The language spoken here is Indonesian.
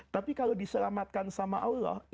tapi kalau diselamatkan sama allah